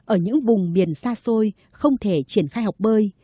ở những vùng miền xa xôi không thể triển khai học bơi